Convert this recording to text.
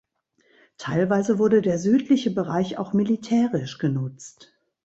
Teilweise wurde der südliche Bereich auch militärisch genutzt.